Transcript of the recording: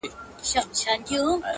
کلي ودان کورونه،